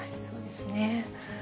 そうですね。